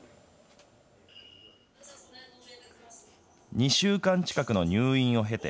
２週間近くの入院を経て、